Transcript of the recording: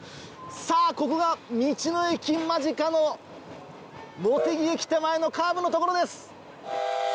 さぁここが道の駅間近の茂木駅手前のカーブの所です。